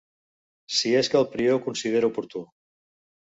Si és que el prior ho considera oportú.